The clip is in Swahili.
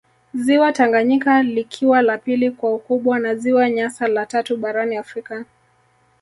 Ziwa Tanganyika likiwa la pili kwa ukubwa na ziwa Nyasa la tatu barani Afrika